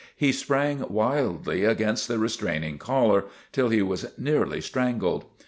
He sprang wildly against the restraining collar till he was nearly strangled.